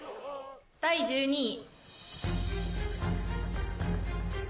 第１２位。